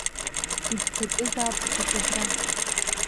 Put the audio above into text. Иӡбатәызаап зегьы абра.